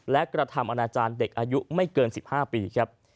และกระทำอนาจารย์เด็กอายุไม่เกิน๑๕ปีครับ